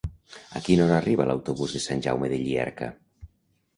A quina hora arriba l'autobús de Sant Jaume de Llierca?